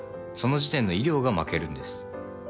その時点の医療が負けるんです。